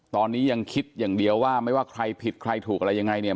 ตอนนี้ยังคิดอย่างเดียวว่าไม่ว่าใครผิดใครถูกอะไรยังไงเนี่ย